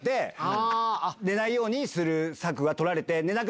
寝ないようにする策が採られて。